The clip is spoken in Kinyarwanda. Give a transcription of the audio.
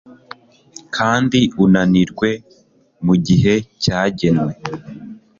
Kandi unanirwe mugihe cyagenwe